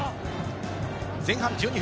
前半１２分。